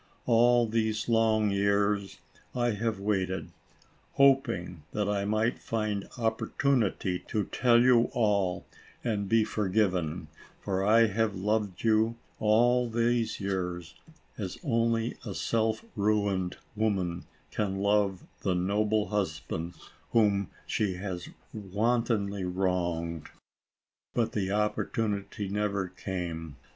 All these long years, I have waited, hoping that I might find opportunity to tell you all, and be forgiven, for I have loved you, all these years, as only a self ruined woman can love the noble husband, whom she has wantonly wronged — but the oppor tunity never came.